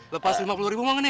lepas lima puluh ribu emang ini